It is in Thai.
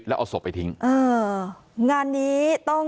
กลุ่มตัวเชียงใหม่